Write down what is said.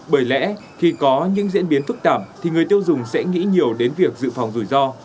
bởi lẽ khi có những diễn biến phức tạp thì người tiêu dùng sẽ nghĩ nhiều đến việc dự phòng rủi ro